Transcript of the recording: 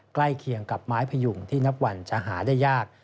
ใกล้เคียงกับไม้พยุงที่นับวันจะหาได้ยาก